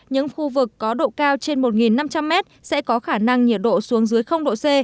những khu vực có độ cao trên một năm trăm linh m sẽ có khả năng nhiệt độ xuống dưới độ c